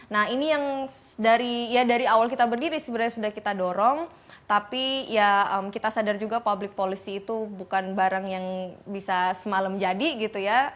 nah ini yang dari awal kita berdiri sebenarnya sudah kita dorong tapi ya kita sadar juga public policy itu bukan barang yang bisa semalam jadi gitu ya